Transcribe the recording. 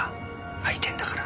空いてんだから。